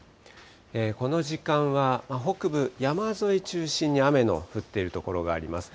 この時間は北部山沿い中心に雨の降っている所があります。